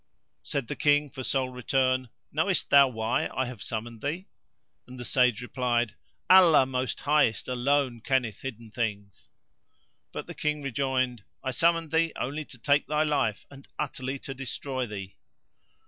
Said the King for sole return, "Knowest thou why I have summoned thee?" and the Sage replied, "Allah Most Highest alone kenneth hidden things!" But the King rejoined, "I summoned thee only to take thy life and utterly to destroy thee."